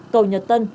cầu nhật tân